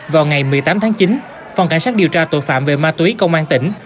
vào ngày một mươi tám tháng chín phòng cảnh sát điều tra tội phạm về ma túy công an tỉnh